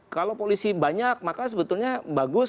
kalau polisi banyak maka sebetulnya bagus